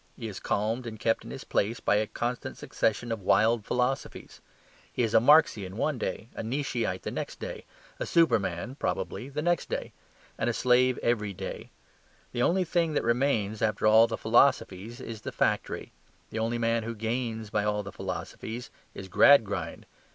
He is calmed and kept in his place by a constant succession of wild philosophies. He is a Marxian one day, a Nietzscheite the next day, a Superman (probably) the next day; and a slave every day. The only thing that remains after all the philosophies is the factory. The only man who gains by all the philosophies is Gradgrind.